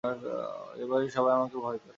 এ-বাড়ির সবাই আমাকে ভয় করে।